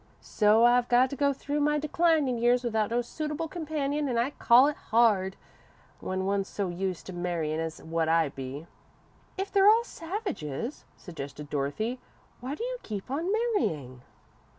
"So I've got to go through my declinin' years without no suitable companion an' I call it hard, when one's so used to marryin' as what I be." "If they're all savages," suggested Dorothy, "why did you keep on marrying?"